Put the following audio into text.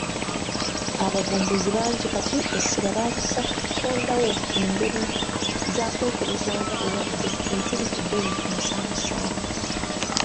Abavumbuzi bangi kati essira balissa ku kutondawo ngeri za kwekebezaamu bulwadde eziri ku bbeeyi ensaamusaamu.